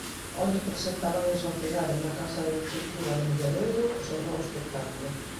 Onte presentaban en sociedade na Casa de Cultura do Milladoiro o seu novo espectáculo.